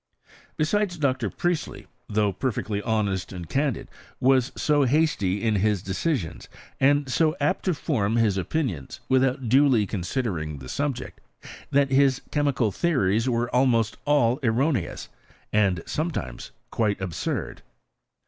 Besides, Dr. Priestley, though perfectly honest and candid, was 80 hasty in his decisions, and so apt to form his 0|Mnions without duly considering the subject, that his chemical theories are almost all erroneous and sometimes quite absurd.